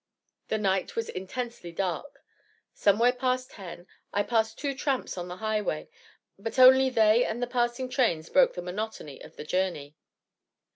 The night was intensely dark. Somewhere past ten, I passed two tramps on the highway, but only they and the passing trains broke the monotony of the journey.